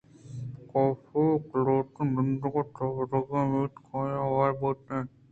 کاف ءِقلاتے ندارگ ءُتہا روگ ءِ اُمیت حاکاں ہوار بوت اَنت